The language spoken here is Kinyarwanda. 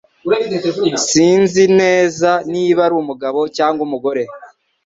Sinzi neza niba ari umugabo cyangwa umugore.